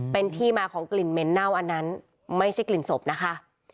เป็นที่มาของกลิ่นเหม็นเน่าอันนั้นไม่ใช่กลิ่นศพนะคะ